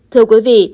thưa quý vị